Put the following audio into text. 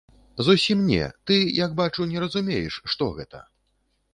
Зусім не, ты, як бачу, не разумееш, што гэта.